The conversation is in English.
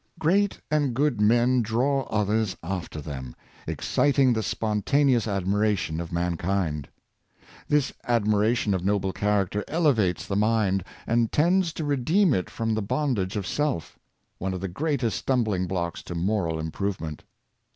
Great and good men draw others after them, excit ing the spontaneous admiration of mankind. This ad miration of noble character elevates the mind, and tends to redeem it from the bondage of self, one of the greatest stumbling blocks to moral improvement.